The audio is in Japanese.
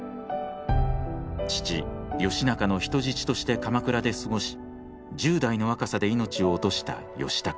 父義仲の人質として鎌倉で過ごし１０代の若さで命を落とした義高。